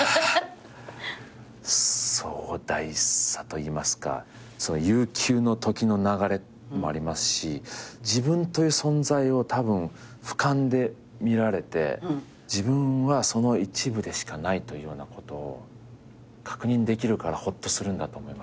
壮大さといいますか悠久の時の流れもありますし自分という存在をたぶん俯瞰で見られて自分はその一部でしかないというようなことを確認できるからほっとするんだと思います。